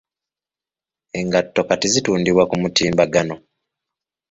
Engato kati zitundibwa ku mutimbagano.